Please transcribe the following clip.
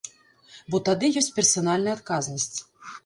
Бо тады ёсць персанальная адказнасць.